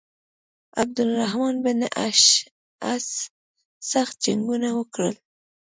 عبدالرحمن بن اشعث سخت جنګونه وکړل.